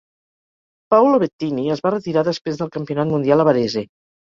Paolo Bettini es va retirar després del campionat mundial a Varese.